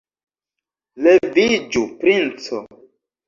Leviĝu, princo.